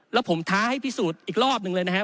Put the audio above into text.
แล้วผมท้าให้พิสูจน์อีกรอบหนึ่งเลยนะครับ